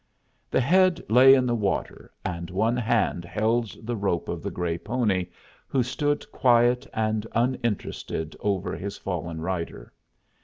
The head lay in the water, and one hand held the rope of the gray pony, who stood quiet and uninterested over his fallen rider.